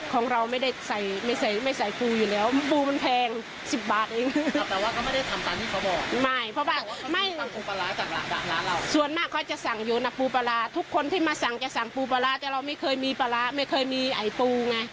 ของน้องด่ะเธอว่าเธอเคยมีปลาร้าไม่เคยมีไอปูไง